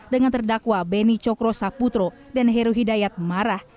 dengan terdakwa beni cokro saputro dan heru hidayat marah